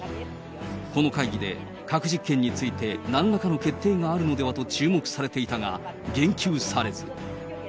この会議で、核実験について何らかの決定があるのではと注目されていたが言及されず。